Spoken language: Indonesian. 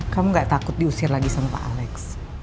kamu gak takut diusir lagi sama pak alex